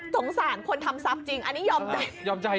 สงสารคนทำทรัพย์จริงอันนี้ยอมใจยอมใจ